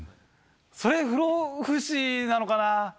それ不老不死なのかな？